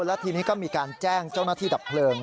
และทีนี้ก็มีการแจ้งเจ้าหน้าที่ดับเพลิง